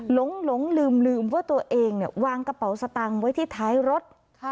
หลงลืมว่าตัวเองวางกระเป๋าสตางค์ไว้ที่ท้ายรถ